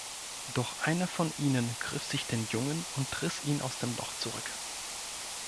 Doch einer von ihnen griff sich den Jungen und riss ihn aus dem Loch zurück.